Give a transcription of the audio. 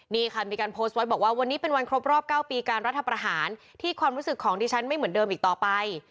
นี่ค่ะมีการโพสต์ไว้บอกว่าวันนี้เป็นวันครบรอบ๙ปีการรัฐประหารที่ความรู้สึกของดิฉันไม่เหมือนเดิมอีกต่อไป